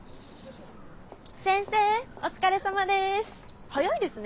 先生お疲れさまでェす。